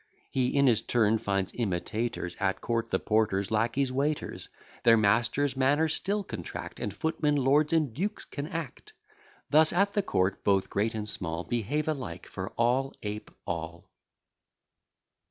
He in his turn finds imitators, At court, the porters, lacqueys, waiters, Their masters' manner still contract, And footmen, lords and dukes can act. Thus, at the court, both great and small Behave alike, for all ape all.